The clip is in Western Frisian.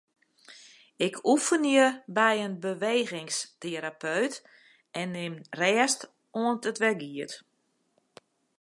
Ik oefenje by in bewegingsterapeut en nim rêst oant it wer giet.